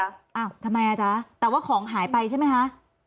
อ้าวทำไมอ่ะจ๊ะแต่ว่าของหายไปใช่ไหมคะ